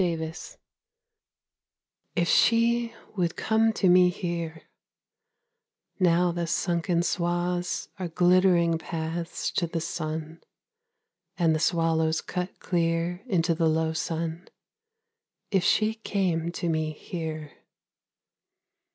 DOG TIRED If she would come to me here, Now the sunken swaths Are glittering paths To the sun, and the swallows cut clear Into the low sun if she came to me here!